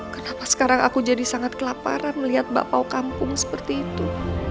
kenapa sekarang aku jadi sangat kelaparan melihat bakpao kampung seperti itu